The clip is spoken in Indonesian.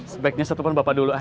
sebaiknya satupun bapak dulu ah